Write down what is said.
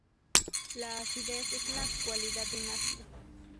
La acidez es la cualidad de un ácido.